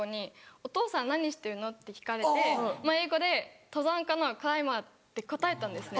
「お父さん何してるの？」って聞かれて英語で登山家の「クライマー」って答えたんですね。